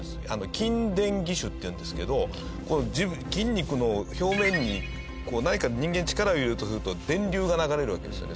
筋電義手っていうんですけど筋肉の表面に人間力を入れようとすると電流が流れるわけですよね。